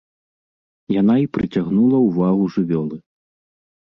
Яна і прыцягнула ўвагу жывёлы.